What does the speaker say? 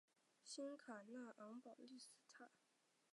新卡纳昂保利斯塔是巴西圣保罗州的一个市镇。